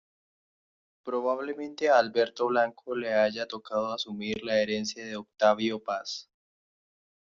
Probablemente a Alberto Blanco le haya tocado asumir la herencia de Octavio Paz.